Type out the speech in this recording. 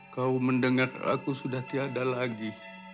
kau mendengar aku sudah tiada lagi